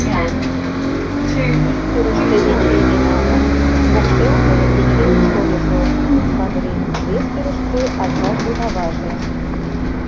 Ик тӱрыштӧ — Эчей ден Анук; покшелне — Эчейын шольыжо, Каври; вес тӱрыштӧ — ачаж ден аваже.